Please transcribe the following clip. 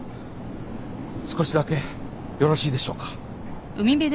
少しだけよろしいでしょうか？